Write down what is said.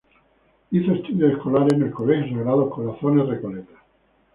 Hizo estudios escolares en el Colegio Sagrados Corazones Recoleta.